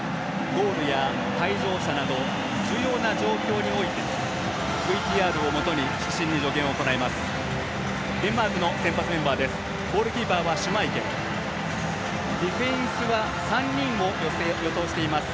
ゴールや退場者など重要な状況においてＶＴＲをもとに主審に助言を行います。